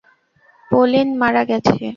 Pauline মারা গেছে।